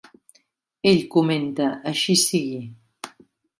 Ell comenta: Així sigui.